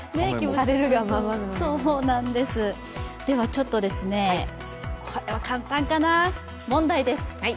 では、これは簡単かな、問題です。